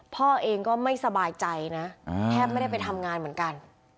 พ่อเองก็ไม่สบายใจนะแทบไม่ได้ไปทำงานเหมือนกัน